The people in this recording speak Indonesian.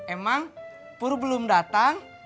emang pur belum datang